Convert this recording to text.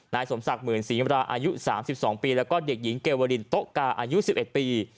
นายสมศักดิ์หมื่นศรีมราอายุ๓๒ปีแล้วก็เด็กหญิงเกวรินโต๊ะกาอายุ๑๑ปี